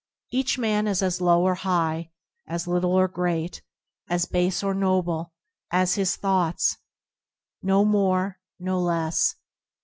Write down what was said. Each man is as low or high, as little or great, as base or noble, as his thoughts; no more, no less.